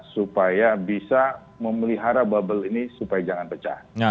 supaya bisa memelihara bubble ini supaya jangan pecah